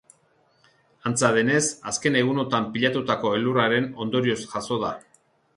Antza denez, azken egunotan pilatutako elurraren ondorioz jazo da.